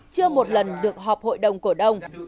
chưa một lần được họp hội đồng cổ đông